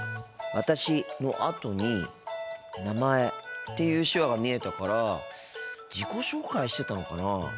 「私」のあとに「名前」っていう手話が見えたから自己紹介してたのかなあ。